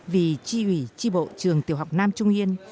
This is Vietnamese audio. vì tri ủy tri bộ trường tiểu học nam trung yên